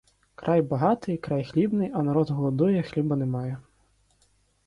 Край багатий, край хлібний, а народ голодує, хліба не має!